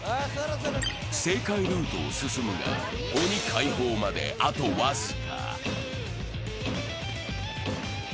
正解ルートを進むが、鬼解放まであと僅か。